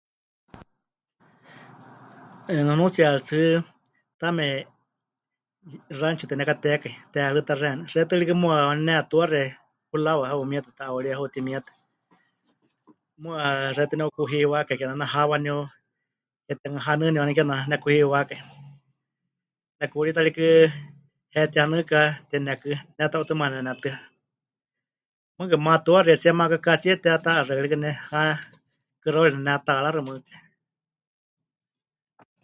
Nunuutsiyari tsɨ taame rancho tenekatekai, teerɨta xeeníu, xewítɨ rikɨ muuwa waaníu netuaxie hurawa heumietɨ, ta'auríe heutimietɨ, muuwa xewíti neukuhiiwákai kename ha waníu ke... te'anuhanɨni kename tinekuhiwákai, nekuurí ta rikɨ hetihanɨka tenekɨ, ne ta 'utɨmana nenetɨa, mɨɨkɨ matuaxietsie, makakatsie teheta'axɨaka rikɨ ne, ha kɨxauri netaaráxɨ mɨɨkɨ.